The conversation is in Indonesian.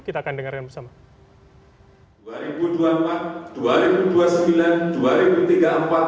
kita akan dengarkan bersama